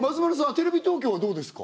テレビ東京はどうですか？